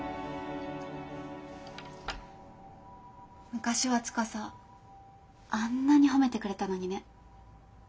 昔は司あんなに褒めてくれたのにね。